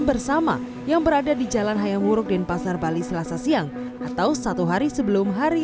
bersama yang berada di jalan hayawuruk dan pasar bali selasa siang atau satu hari sebelum hari